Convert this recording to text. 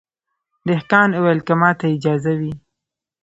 دهقان وویل که ماته اجازه وي